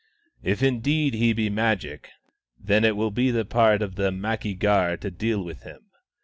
" If indeed he be Magic, then it will be the part of the Mcki gar to deal with him.